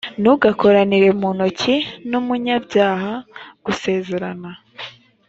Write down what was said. ntugakoranire mu ntoki n umunyabyaha gusezerana